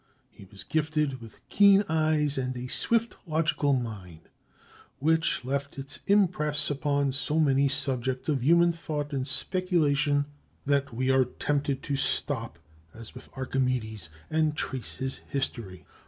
He was gifted with keen eyes and a swift, logical mind, which left its impress upon so many subjects of human thought and speculation that we are tempted to stop as with Archimedes and trace his history.